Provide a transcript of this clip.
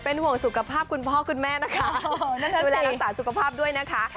ห่วงสุขภาพคุณพ่อคุณแม่นะคะดูแลรักษาสุขภาพด้วยนะคะ